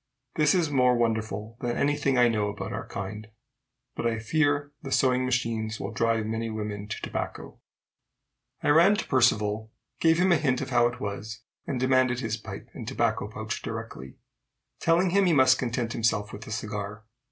This is more wonderful than any thing I know about our kind. But I fear the sewing machines will drive many women to tobacco. I ran to Percivale, gave him a hint of how it was, and demanded his pipe and tobacco pouch directly, telling him he must content himself with a cigar.